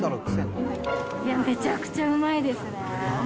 めちゃくちゃうまいですね。